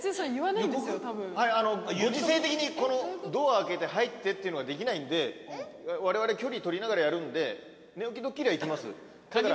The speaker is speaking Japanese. ご時世的にドア開けて入ってっていうのができないんでわれわれ距離取りながらやるんで寝起きドッキリは行きます。